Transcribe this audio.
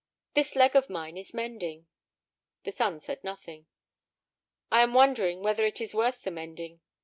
"This leg of mine is mending." The son said nothing. "I am wondering whether it is worth the mending.